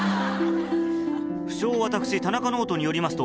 不肖私田中ノートによりますと